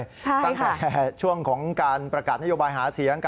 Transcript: ตั้งแต่ช่วงของการประกาศนโยบายหาเสียง